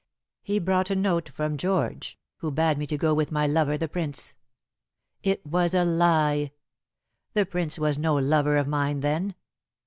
He brought a note from George, who bade me go with my lover, the Prince. It was a lie. The Prince was no lover of mine then.